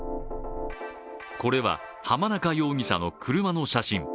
これは、浜中容疑者の車の写真。